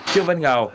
trương văn ngào